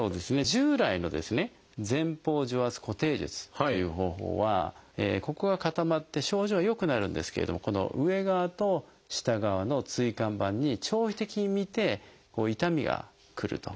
従来のですね前方除圧固定術という方法はここが固まって症状は良くなるんですけれどもこの上側と下側の椎間板に長期的に見て痛みがくると。